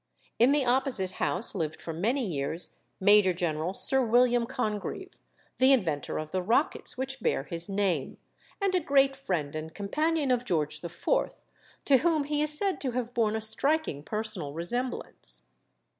In the opposite house lived for many years Major General Sir William Congreve, the inventor of the rockets which bear his name, and a great friend and companion of George IV., to whom he is said to have borne a striking personal resemblance.